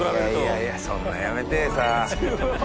いやいやそんなやめてさ。